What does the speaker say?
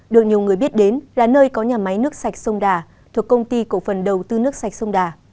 được nhiều người biết đến là nơi có nhà máy nước sạch sông đà thuộc công ty cổ phần đầu tư nước sạch sông đà